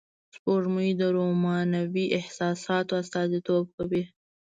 سپوږمۍ د رومانوی احساساتو استازیتوب کوي